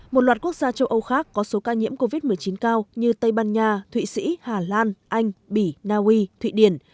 một loạt quốc gia châu âu khác có số ca nhiễm covid một mươi chín cao như tây ban nha thụy sĩ hà lan anh bỉ naui thụy điển